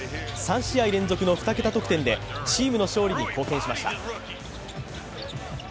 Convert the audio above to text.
３試合連続の２桁得点でチームの勝利に貢献しました。